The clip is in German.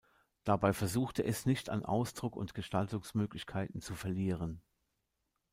Dabei versuchte es nicht an Ausdruck und Gestaltungsmöglichkeiten zu verlieren.